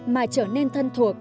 mà trở nên thân thuộc